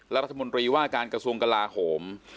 รัฐมนตรีว่าการกระทรวงกลาโหม